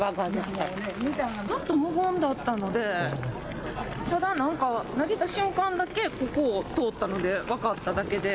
ずっと無言だったのでただ投げた瞬間だけここを通ったので分かっただけで。